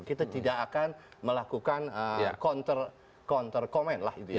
kita tidak akan melakukan counter comment lah